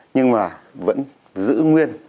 nhưng mà vẫn giữ nguyên